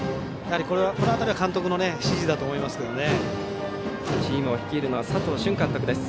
この辺りは監督の指示だとチームを率いるのは佐藤俊監督です。